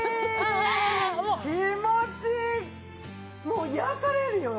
もう癒やされるよ！